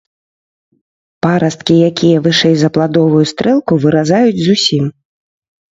Парасткі, якія вышэй за пладовую стрэлку, выразаюць зусім.